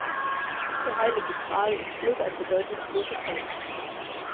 Der heilige Gral ist bloß ein bedeutungsloser Kelch.